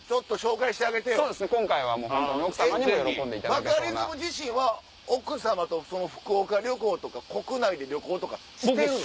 バカリズム自身は奥さまと福岡旅行とか国内で旅行とかしてるの？